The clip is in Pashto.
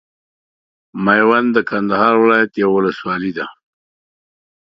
ميوند د کندهار ولايت یوه ولسوالۍ ده.